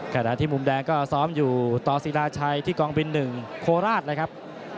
กระดาษที่มุมแดงก็ซ้อมอยู่ตอสิราชัยที่กองบินหนึ่งโคลาสนะครับ